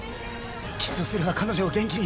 キスをすれば彼女を元気に。